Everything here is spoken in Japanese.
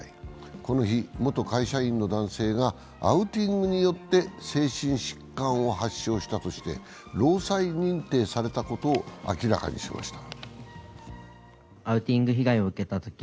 この日、元会社員の男性がアウティングによって精神疾患を発症したとして労災認定されたことを明らかにしました。